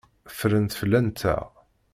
Ffrent fell-anteɣ.